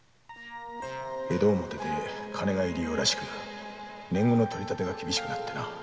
江戸表で金が入り用らしく年貢の取り立てが厳しくなってな